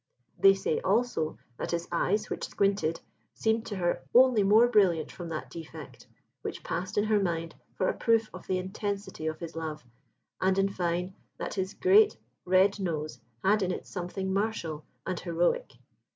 They say also that his eyes, which squinted, seemed to her only more brilliant from that defect, which passed in her mind for a proof of the intensity of his love, and, in fine, that his great red nose had in it something martial and heroic.